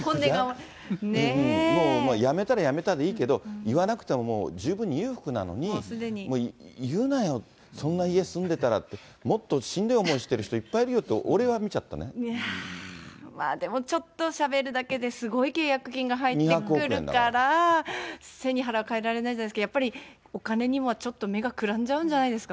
やめたらやめたでいいけど、言わなくても十分裕福なのに言うなよ、そんな家住んでたらって、もっとしんどい思いしている人、いっぱいいるよって、俺は見ちゃまあでもちょっとしゃべるだけで、すごい契約金が入ってくるから、背に腹は変えられないじゃないですけど、やっぱりお金にはちょっと目がくらんじゃうんじゃないんですか。